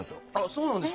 そうなんですか！